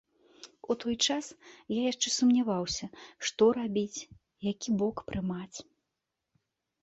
У той час я яшчэ сумняваўся, што рабіць, які бок прымаць.